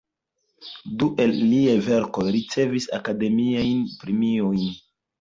Du el liaj verkoj ricevis akademiajn premiojn.